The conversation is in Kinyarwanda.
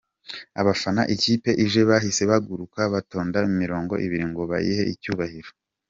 Abafana ikipe ije bahise bahaguruka batonda imirongo ibiri ngo bayihe icyubahiro